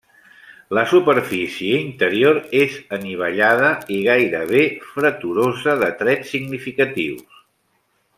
La superfície interior és anivellada i gairebé freturosa de trets significatius.